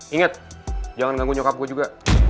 ingat jangan nganggu nyokap gue juga